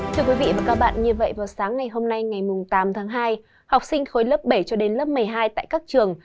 thưa quý vị và các bạn như vậy vào sáng ngày hôm nay ngày tám tháng hai học sinh khối lớp bảy cho đến lớp một mươi hai tại các trường